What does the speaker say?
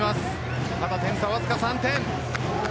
点差、わずか３点。